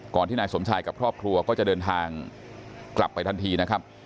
ที่นายสมชายกับครอบครัวก็จะเดินทางกลับไปทันทีนะครับ